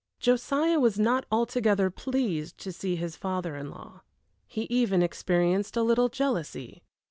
Josiah was not altogether pleased to see his father in law. He even experienced a little jealousy.